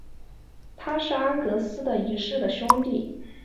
他是安格斯一世的兄弟。